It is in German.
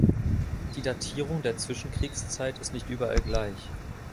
Die Datierung der Zwischenkriegszeit ist nicht überall gleich.